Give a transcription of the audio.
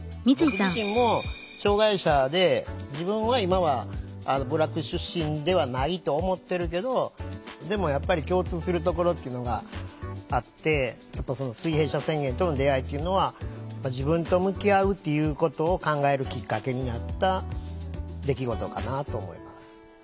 僕自身も障害者で自分は今は部落出身ではないと思ってるけどでもやっぱり共通するところっていうのがあって水平社宣言との出会いっていうのは自分と向き合うっていうことを考えるきっかけになった出来事かなと思います。